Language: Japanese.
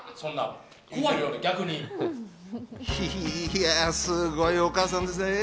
いや、すごいお母さんですね。